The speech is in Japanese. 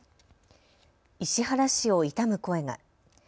石原氏を悼む声が。